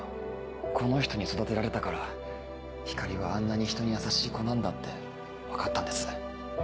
この人に育てられたから光莉はあんなにひとに優しい子なんだって分かったんです。